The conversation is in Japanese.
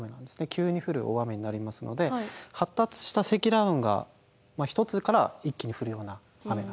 急に降る大雨になりますので発達した積乱雲が１つから一気に降るような雨なんですよね。